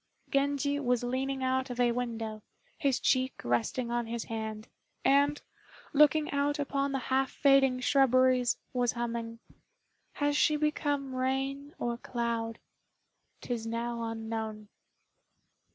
Genji was leaning out of a window, his cheek resting on his hand; and, looking out upon the half fading shrubberies, was humming "Has she become rain or cloud? 'Tis now unknown."